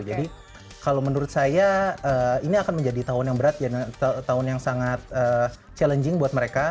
jadi kalau menurut saya ini akan menjadi tahun yang berat tahun yang sangat challenging buat mereka